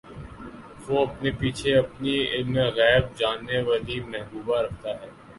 وہ اپنے پیچھے اپنی علمِغیب جاننے والی محبوبہ رکھتا ہے